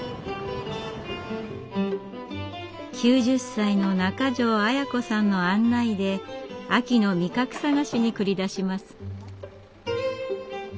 ９０歳の中條アヤ子さんの案内で秋の味覚探しに繰り出します。